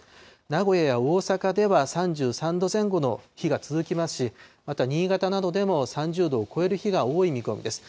名古屋や大阪では３３度前後の日が続きますし、また新潟などでも３０度を超える日が多い見込みです。